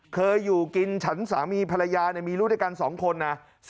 เคยอยู่กินฉันสามีภรรยามีลูกด้วยกัน๒คนนะ